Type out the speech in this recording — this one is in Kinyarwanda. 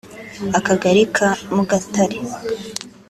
akagali ka Mugatare